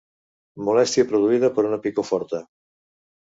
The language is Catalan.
Molèstia produïda per una picor forta.